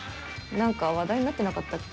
何か話題になってなかったっけ？